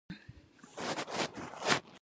تیمورشاه پر هندوستان یرغل کوي.